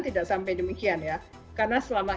tidak sampai demikian ya karena selama